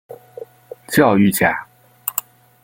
教育家。